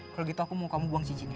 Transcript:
kalo gitu aku mau kamu buang cincinnya